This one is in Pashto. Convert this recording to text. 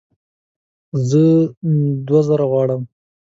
زه دوه زره غواړم